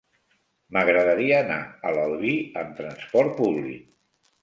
M'agradaria anar a l'Albi amb trasport públic.